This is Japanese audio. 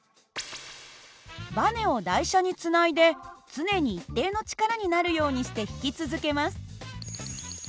ばねを台車につないで常に一定の力になるようにして引き続けます。